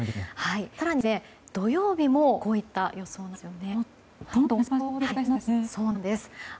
更に、土曜日もこういった予想なんですよね。